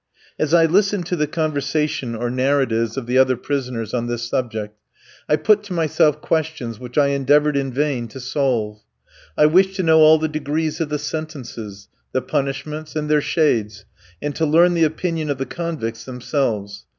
As I listened to the conversation or narratives of the other prisoners on this subject, I put to myself questions which I endeavoured in vain to solve. I wished to know all the degrees of the sentences; the punishments, and their shades; and to learn the opinion of the convicts themselves.